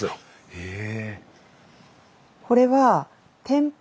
へえ。